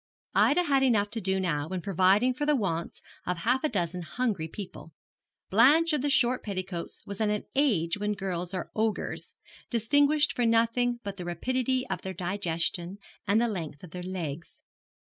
Ida had enough to do now in providing for the wants of half a dozen hungry people. Blanche of the short petticoats was at an age when girls are ogres, distinguished for nothing but the rapidity of their digestion and the length of their legs.